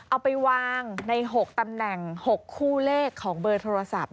เอาไปวางใน๖ตำแหน่ง๖คู่เลขของเบอร์โทรศัพท์